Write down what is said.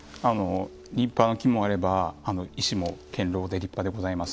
立派な木もあれば石も堅ろうで立派でございます。